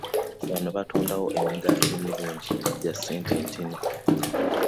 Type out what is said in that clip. Wano batundawo emigaati emirungi nga gya ssente ntono.